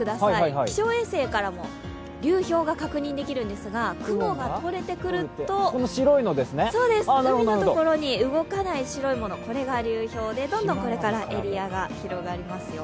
気象衛星からも流氷が確認できるんですが、雲がとれてくると海のところに動かない白いものこれが流氷で、どんどんこれからエリアが広がりますよ。